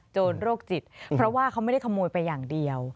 โรคจิตเพราะว่าเขาไม่ได้ขโมยไปอย่างเดียว